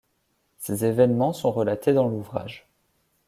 Ces évènements sont relatés dans l'ouvrage.